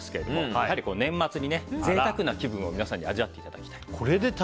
やはり年末に、贅沢な気分を皆さんに味わっていただきたい。